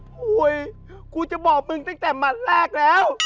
หวยกูจะบอกมึงตั้งแต่หมัดแรกแล้ว